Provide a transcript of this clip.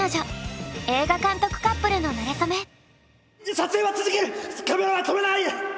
撮影は続けるカメラは止めない！